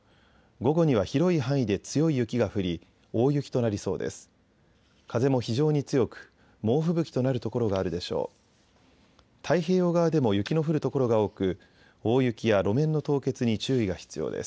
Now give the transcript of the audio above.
午後には広い範囲で強い雪が降り大雪となりそうです。